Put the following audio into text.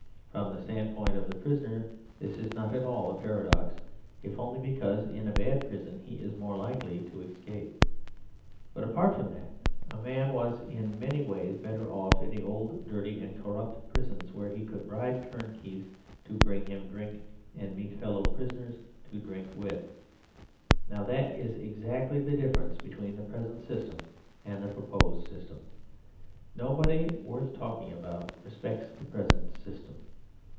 From the standpoint of the prisoner this is not at all a paradox; if only because in a bad prison he is more likely to escape. But apart from that, a man was in many ways better off in the old dirty and corrupt prison, where he could bribe turnkeys to bring him drink and meet fellow prisoners to drink with. Now that is exactly the difference between the present system and the proposed system. Nobody worth talking about respects the present system.